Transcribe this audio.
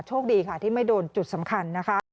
โชคดีค่ะที่ไม่โดนจุดสำคัญนะคะ